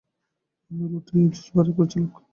আমি রুটি, এই জুস বারের পরিচালক।